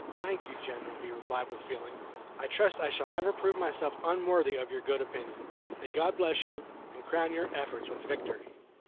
"Thank you, General," he replied, with feeling. "I trust I shall never prove myself unworthy of your good opinion. May God bless you, and crown your efforts with victory!"